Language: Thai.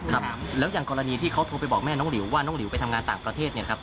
ครับแล้วอย่างกรณีที่เขาโทรไปบอกแม่น้องหลิวว่าน้องหลิวไปทำงานต่างประเทศเนี่ยครับ